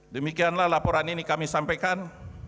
demikianlah laporan ini kami sampaikan